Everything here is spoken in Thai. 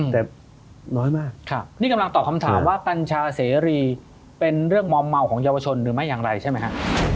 แต่น้อยมากนี่กำลังตอบคำถามว่ากัญชาเสรีเป็นเรื่องมอมเมาของเยาวชนหรือไม่อย่างไรใช่ไหมฮะ